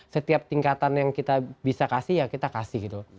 setiap tingkatan yang kita bisa kasih ya kita kasih gitu